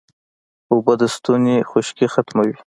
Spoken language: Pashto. اوبه د ستوني خشکي ختموي